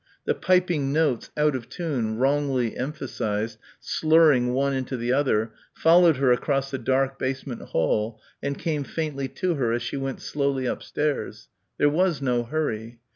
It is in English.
The piping notes, out of tune, wrongly emphasised, slurring one into the other, followed her across the dark basement hall and came faintly to her as she went slowly upstairs. There was no hurry.